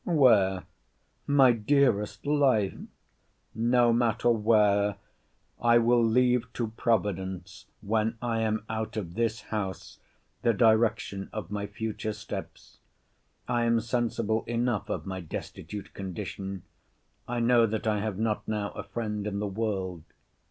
Where, my dearest life—— No matter where. I will leave to Providence, when I am out of this house, the direction of my future steps. I am sensible enough of my destitute condition. I know that I have not now a friend in the world.